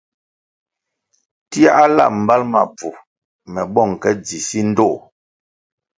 Tiahla mbal ma bvu me bong ke dzi si ndtoh.